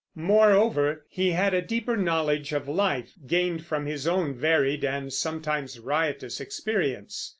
Moreover, he had a deeper knowledge of life, gained from his own varied and sometimes riotous experience.